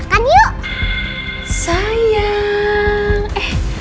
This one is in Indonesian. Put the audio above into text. aku harus bawa sesuatu besok